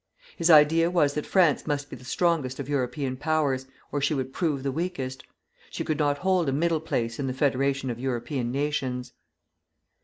His idea was that France must be the strongest of European powers, or she would prove the weakest; she could not hold a middle place in the federation of European nations.